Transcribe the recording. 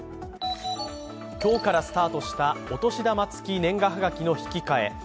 今日からスタートしたお年玉付き年賀はがきの引き換え。